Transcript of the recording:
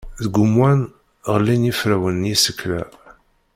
Deg umwan, ɣellin yiferrawen n yisekla.